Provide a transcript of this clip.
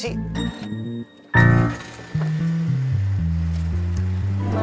jadi aku gak ada waktu buat ngomongin cowok ya